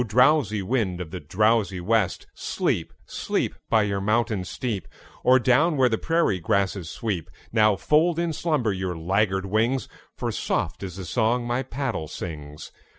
drowsy wind of the drowsy west, Sleep, sleep, By your mountain steep, Or down where the prairie grasses sweep! Now fold in slumber your laggard wings, For soft is the song my paddle sings.